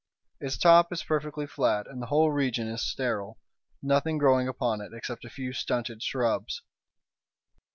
Its top is perfectly flat, and the whole region is sterile, nothing growing upon it except a few stunted shrubs.